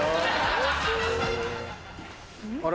あれ？